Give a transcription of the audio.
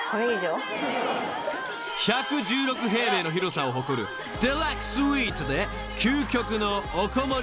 ［１１６平米の広さを誇るデラックススイートで究極のおこもり